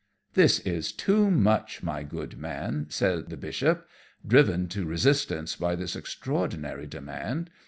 "This is too much, my good Man," the Bishop said, driven to resistance by this extraordinary demand.